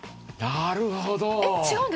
なるほど。